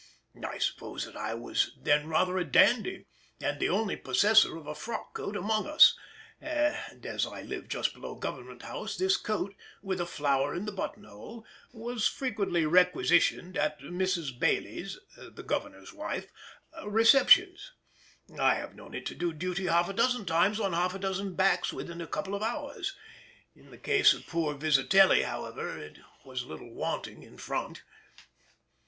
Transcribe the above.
I suppose that I was then rather a dandy and the only possessor of a frock coat among us, and as I lived just below Government House, this coat, with a flower in the button hole, was frequently requisitioned at Mrs. Bayley's (the Governor's wife) receptions. I have known it do duty half a dozen times on half a dozen backs within a couple of hours: in the case of poor Vizitelly, however, it was a little wanting in front.